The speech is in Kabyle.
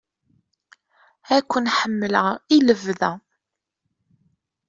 Ad ken-ḥemmleɣ i lebda!